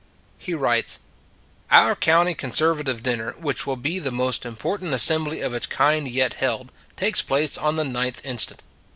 He writes: "Our county Conservative Dinner, which will be the most important assembly of its kind yet held, takes place on the 9th inst.